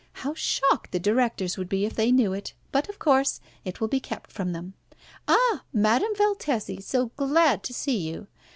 How shocked the directors would be if they knew it, but, of course, it will be kept from them. Ah! Madame Valtesi, so glad to see you!